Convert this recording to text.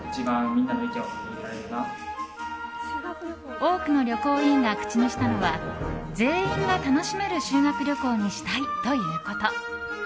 多くの旅行委員が口にしたのは全員が楽しめる修学旅行にしたいということ。